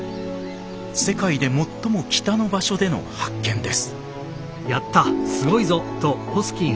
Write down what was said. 世界で最も北の場所での発見です。